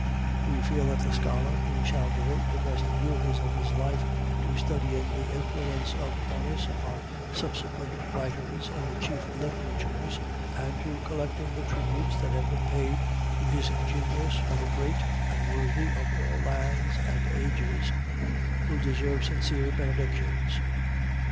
We feel that the scholar who shall devote the best years of his life to studying the influence of Horace upon subsequent writers in the chief literatures and to collecting the tributes that have been paid to his genius by the great and worthy of all lands and ages, will deserve sincere benedictions.